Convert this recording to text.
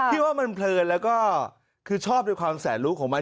ที่ว่ามันเพลินแล้วก็คือชอบด้วยความแสนรู้ของมัน